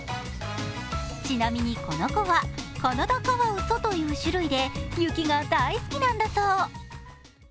ちなみに、この子はカナダカワウソという種類で雪が大好きなんだそう。